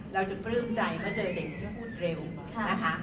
เราจะเผื่อมใจเมื่อเจอเด็กที่จะพูดเร็วนะคะ